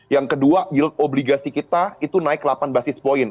yang kedua yield obligasi kita itu naik delapan basis point